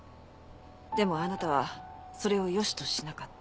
でもあなたはそれを良しとしなかった。